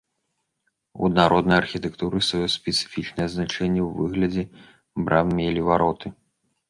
У народнай архітэктуры сваё спецыфічнае значэнне ў выглядзе брам мелі вароты.